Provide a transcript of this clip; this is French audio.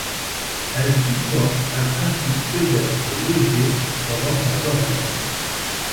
Elle supporte un trafic pédestre léger pendant sa dormance.